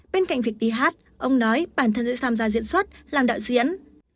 bên cạnh việc đi hát ông nói bản thân sẽ sảm ra diễn xuất làm đạo diễn